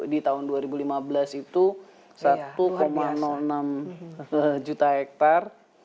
di tahun dua ribu lima belas itu satu enam juta hektare